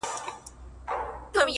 هلته کوم مور او پلار بیل نشې